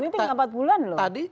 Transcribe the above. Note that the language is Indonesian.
berarti tinggal empat bulan loh